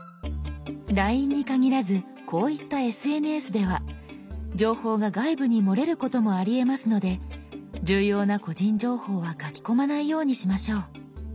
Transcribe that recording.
「ＬＩＮＥ」に限らずこういったＳＮＳでは情報が外部に漏れることもありえますので重要な個人情報は書き込まないようにしましょう。